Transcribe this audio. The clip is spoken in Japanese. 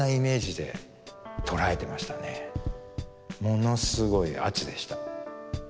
ものすごい圧でした。